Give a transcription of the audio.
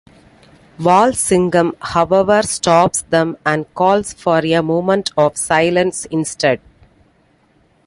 Walsingham, however, stops them and calls for a moment of silence instead.